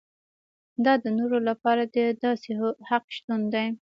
دا د نورو لپاره د داسې حق شتون دی.